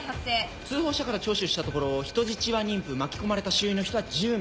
通報者から聴取したところ人質は妊婦巻き込まれた周囲の人は１０名。